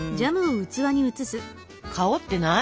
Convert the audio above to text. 香ってない？